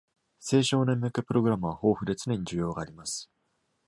青少年向けプログラムは豊富で、常に需要があります。